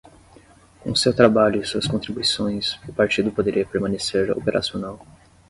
Com seu trabalho e suas contribuições, o partido poderia permanecer operacional.